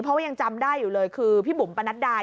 เพราะว่ายังจำได้อยู่เลยคือพี่บุ๋มปนัดดา